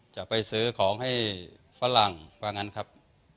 จะไปซื้อของให้ฝรั่งว่างั้นครับ